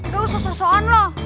gak usah so soan loh